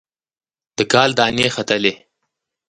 د کال دانې ختلي